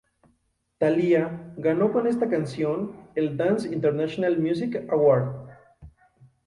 Thalía ganó con esta canción el Dance International Music Award.